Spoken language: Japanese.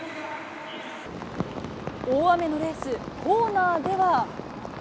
大雨のレース、コーナーでは。